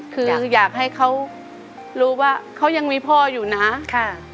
คืออยากให้เขารู้ว่าเขายังมีพ่ออยู่นะค่ะ